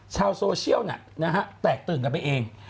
ชาวโซเชียลแตกตื่นกันไปเอง